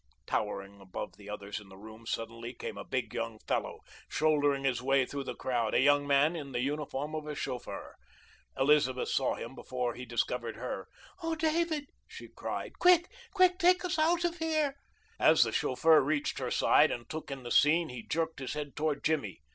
Towering above the others in the room suddenly came a big young fellow shouldering his way through the crowd, a young man in the uniform of a chauffeur. Elizabeth saw him before he discovered her. "Oh David!" she cried. "Quick! Quick! Take us out of here!" As the chauffeur reached her side and took in the scene he jerked his head toward Jimmy.